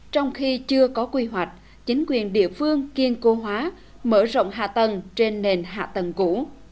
trong khi chưa có quy hoạch chính quyền địa phương kiên cố hóa mở rộng hạ tầng trên nền hạ tầng cũ